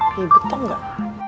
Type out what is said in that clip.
ribut tau gak